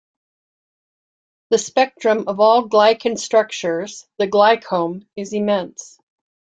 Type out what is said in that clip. The spectrum of all glycan structures - the glycome - is immense.